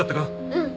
うん！